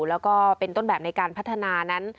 แล้วก็เป็นต้นแบบในการพัฒนานั้น